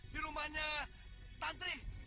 di rumahnya tantri